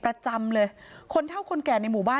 พระเจ้าที่อยู่ในเมืองของพระเจ้า